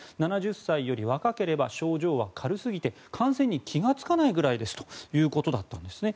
７０歳より若ければ症状は軽すぎて感染に気がつかないくらいですということだったんですね。